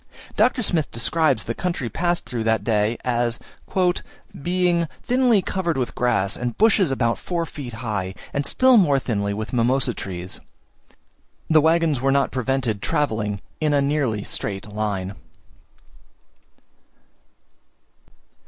Dr. Smith describes the country passed through that day, as "being thinly covered with grass, and bushes about four feet high, and still more thinly with mimosa trees." The waggons were not prevented travelling in a nearly straight line.